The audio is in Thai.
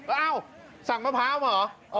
เอ้าสั่งมะพร้าวมาเหรอ